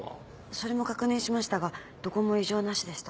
それも確認しましたがどこも異常なしでした。